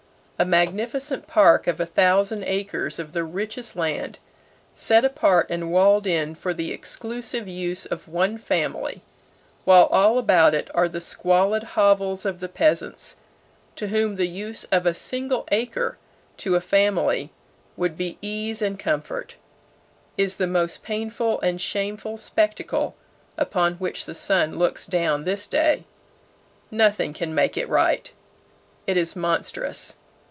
A magnificent park of a thousand acres of the richest land set apart and walled in for the exclusive use of one family, while all about it are the squalid hovels of the peasants to whom the use of a single acre to a family would be ease and comfort, is the most painful and shameful spectacle upon which the sun looks down this day. Nothing can make it right. It is monstrous.